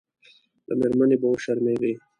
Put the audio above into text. له مېرمنې به وشرمېږي.